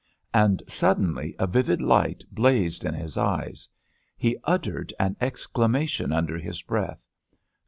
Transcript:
And suddenly a vivid light blazed in his eyes. He uttered an exclamation under his breath.